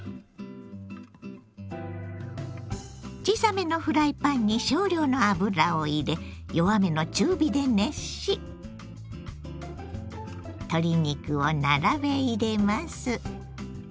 小さめのフライパンに少量の油を入れ弱めの中火で熱し鶏肉を並べ入れます。